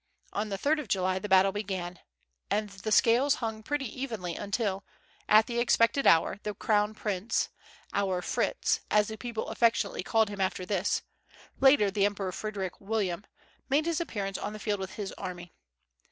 On the 3d of July the battle began; and the scales hung pretty evenly until, at the expected hour, the crown prince "our Fritz," as the people affectionately called him after this, later the Emperor Frederick William made his appearance on the field with his army.